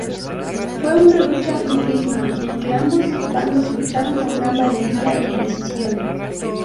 Fue una lucha durísima, en que ambos bandos lucharon con gran valentía y decisión.